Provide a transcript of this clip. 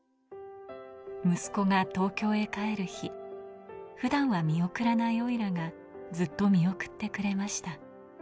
息子が東京へ帰る日、普段は見送らないオイラがずっと見送ってくれました。